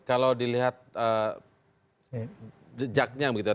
kalau dilihat jejaknya begitu